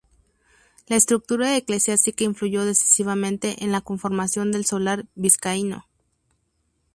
La estructura eclesiástica influyó decisivamente en la conformación del solar vizcaíno.